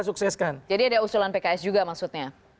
sukseskan jadi ada usulan pks juga maksudnya